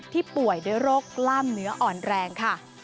ป่วยด้วยโรคกล้ามเนื้ออ่อนแรงค่ะ